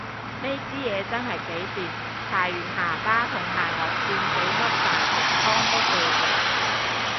呢支嘢真係幾掂，搽完下巴同下頷線幾粒大毒瘡都謝咗